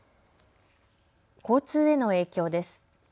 交通への影響です。